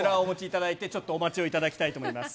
そちらをお持ちいただいて、ちょっとお待ちをいただきたいと思います。